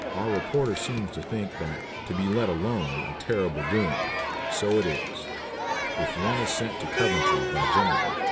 Our reporter seems to think that "to be let alone" a terrible doom. So it is, if one is sent to Coventry by gentlemen.